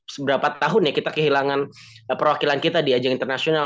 seberapa tahun ya kita kehilangan perwakilan kita di ajang internasional